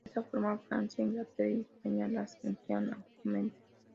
De esta forma Francia, Inglaterra y España las emplearon ampliamente.